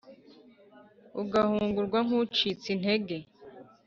ugahungurwa nk’ucitse intege